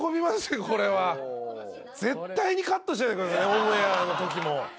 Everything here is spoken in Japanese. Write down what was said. オンエアのときも。